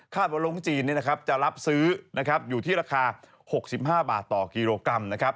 ค่าโรงจีนจะรับซื้ออยู่ที่ราคา๖๕บาทต่อกิโลกรัม